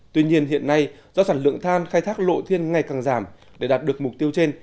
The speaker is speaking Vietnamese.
tuy nhiên hiện nay do sản lượng than khai thác lộ thiên ngày càng giảm để đạt được mục tiêu trên